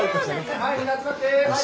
はいみんな集まって。